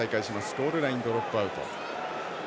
ゴールラインドロップアウト。